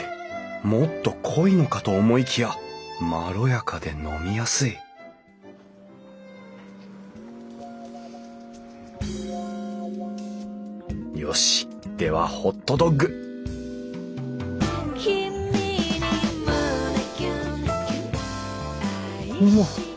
もっと濃いのかと思いきやまろやかで飲みやすいよしではホットドッグわっ！